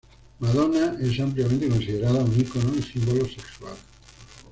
Madonna es ampliamente considerada un ícono y símbolo sexual.